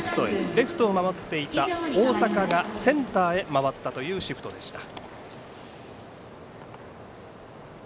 レフトを守っていた大坂がセンターへ回ったというシフトでした。